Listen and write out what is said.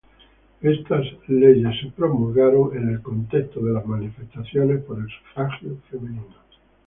Estas leyes fueron promulgadas el contexto de los manifestaciones por el Sufragio femenino.